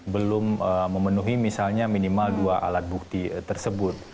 belum memenuhi misalnya minimal dua alat bukti tersebut